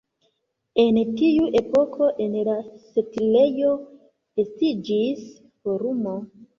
En tiu epoko en la setlejo estiĝis forumo.